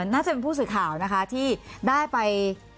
น่าจะเป็นผู้สื่อข่าวนะคะที่ได้ไป